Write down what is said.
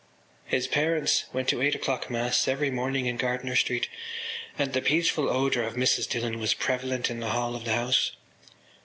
His parents went to eight o’clock mass every morning in Gardiner Street and the peaceful odour of Mrs Dillon was prevalent in the hall of the house.